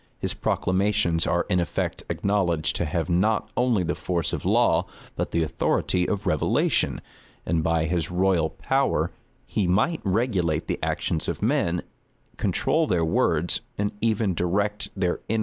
His proclamations are in effect acknowledged to have not only the force of law, but the authority of revelation; and by his royal power he might regulate the actions of men, control their words, and even direct their inward sentiments and opinions.